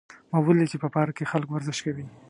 ما ولیدل چې په پارک کې خلک ورزش کوي